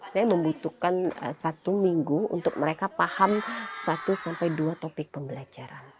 saya membutuhkan satu minggu untuk mereka paham satu sampai dua topik pembelajaran